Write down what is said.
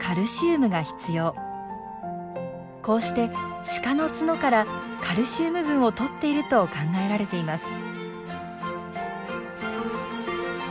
こうしてシカの角からカルシウム分をとっていると考えられています。